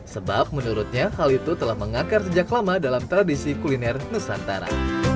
sebab menurutnya hal itu telah mengakar sejak lama dalam tradisi kuliner nusantara